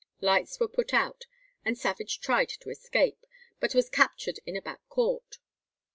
Lights were put out, and Savage tried to escape, but was captured in a back court.